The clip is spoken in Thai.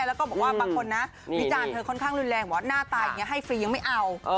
แล้วก็บอกว่าบางคนนะวิจารณ์เธอค่อนข้างรุนแรงบอกว่าหน้าตาอย่างนี้ให้ฟรียังไม่เอา